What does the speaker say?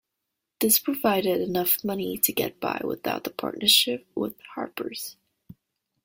This provided enough money to get by without the partnership with "Harper's".